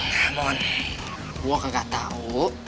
ya ampun gue gak tau